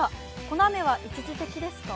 この雨は一時的ですか？